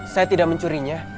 saya tidak mencurinya